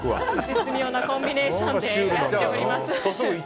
絶妙なコンビネーションでやっております。